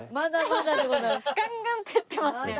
ガンガン照ってますね。